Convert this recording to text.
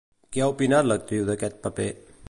Què ha opinat l'actriu d'aquest paper?